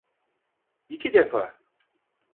İki defa.